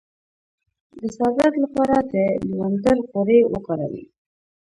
د سر درد لپاره د لیوانډر غوړي وکاروئ